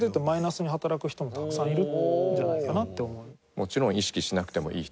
もちろん意識しなくてもいい人も。